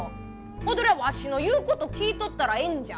おどれはわしの言う事聞いとったらええんじゃ。